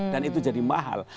dan itu jadi mahal